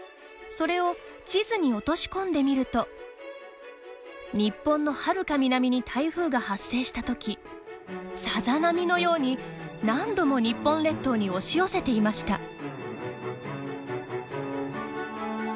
それを地図に落とし込んでみると日本のはるか南に台風が発生した時さざ波のように何度も日本列島に押し寄せていました。